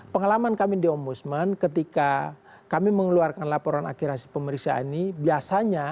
pengalaman kami di ombudsman ketika kami mengeluarkan laporan akhir hasil pemeriksaan ini biasanya